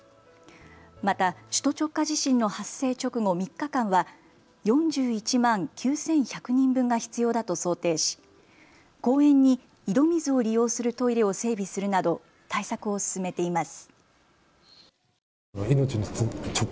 また首都直下地震の発生直後３日間は４１万９１００人分が必要だと想定し公園に井戸水を利用するトイレを整備するなど対策を進めています。